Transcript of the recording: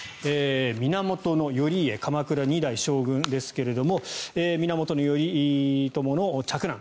源頼家、鎌倉２代将軍ですが源頼朝の嫡男。